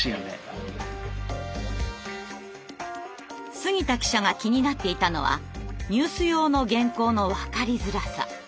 杉田記者が気になっていたのはニュース用の原稿のわかりづらさ。